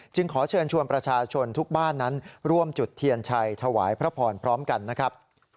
ขอเชิญชวนประชาชนทุกบ้านนั้นร่วมจุดเทียนชัยถวายพระพรพร้อมกันนะครับ